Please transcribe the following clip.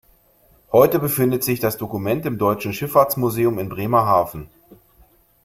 Heute befindet sich das Dokument im Deutschen Schifffahrtsmuseum in Bremerhaven.